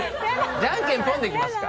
じゃんけんぽんでやりますか。